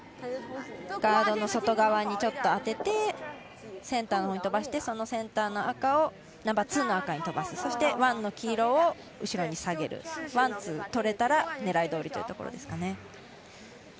ガードの外側にちょっと当ててセンターの方に飛ばしてそのセンターの赤をナンバーツーの赤にとばすそして、ワンの黄色を後ろに下げるワン、ツーとれたら狙いどおりというところですかね。